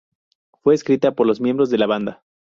Fue escrita por los miembros de la banda.